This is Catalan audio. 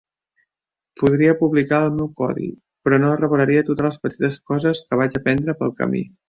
Podria publicar el meu codi, però no revelaria totes les petites coses que vaig aprendre pel camí.